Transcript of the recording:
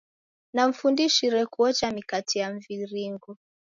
Namfundishire kuocha mikate ya mviringo.